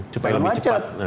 supaya lebih cepat